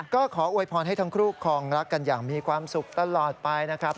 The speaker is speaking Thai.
ก็ขออวยพรให้ทั้งคู่คลองรักกันอย่างมีความสุขตลอดไปนะครับ